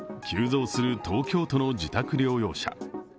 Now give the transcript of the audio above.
急増する東京都の自宅療養者。